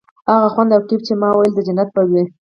هغه خوند او کيف چې ما ويل د جنت به وي.